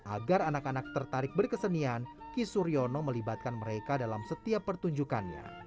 agar anak anak tertarik berkesenian kisuryono melibatkan mereka dalam setiap pertunjukannya